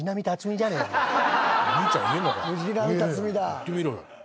言ってみろよ。